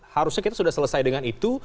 harusnya kita sudah selesai dengan itu